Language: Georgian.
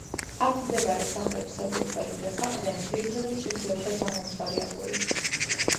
აქ მდებარე სახლების საძირკველი და საყრდენი ძირითადათ შენდებოდა გამომწვარი აგურით.